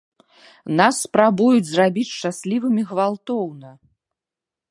Нас спрабуюць зрабіць шчаслівымі гвалтоўна!